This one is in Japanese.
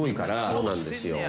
「そうなんですよ」